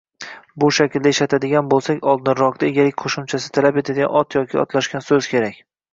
Bu shaklda ishlatadigan boʻlsak, oldinroqda egalik qoʻshimchasi talab etadigan ot yoki otlashgan soʻz kerak